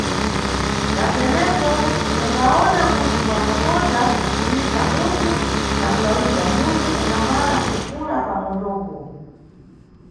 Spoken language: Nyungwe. Natepo, usawona kuti wa tokokota, kuyikha munyu na kulayidza munyu ungamala nkuphula pa motopo.